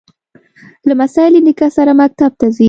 لمسی له نیکه سره مکتب ته ځي.